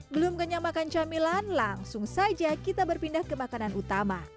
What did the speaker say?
belum kenyang makan camilan langsung saja kita berpindah ke makanan utama